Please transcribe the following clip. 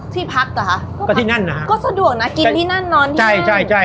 ที่พักเหรอคะก็ที่นั่นนะฮะก็สะดวกนะกินที่นั่นนอนที่ใช่ใช่